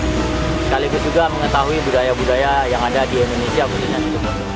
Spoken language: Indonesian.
sekaligus juga mengetahui budaya budaya yang ada di indonesia tentunya di situbondo